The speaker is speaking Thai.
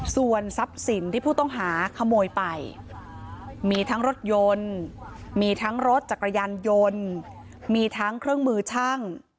ส่วนทรัพย์สินที่ผู้ต้องหาขโมยไปมีทั้งรถยนต์มีทั้งรถจักรยานยนต์มีทั้งเครื่องมือช่าง